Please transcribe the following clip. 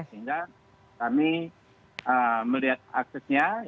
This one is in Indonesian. sehingga kami melihat aksesnya